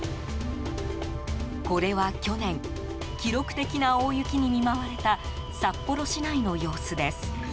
これは、去年記録的な大雪に見舞われた札幌市内の様子です。